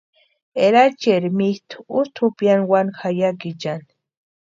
Erachieri mitʼu ústi jupiani wani jayakichani.